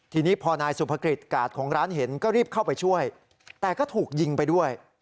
ทีนี้พอนายสุภกิจกาดของร้านเห็นก็รีบเข้าไปช่วยแต่ก็ถูกยิงไปด้วย